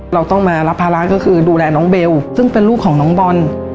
เราต้องมารับภาระก็คือดูแลน้องเบลซึ่งเป็นลูกของน้องบอล